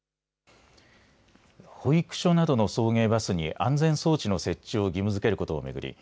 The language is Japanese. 保育所などの送迎バスに安全装置の設置を義務づけることを巡り